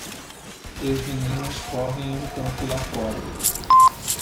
Três meninas correm em um campo lá fora.